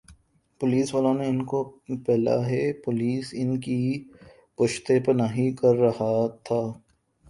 police والوں نے ان کو پالا ھے پولیس ان کی پشت پناہی کررہا تھا